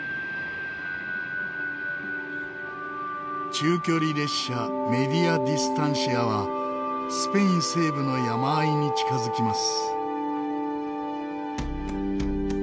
中距離列車メディアディスタンシアはスペイン西部の山あいに近づきます。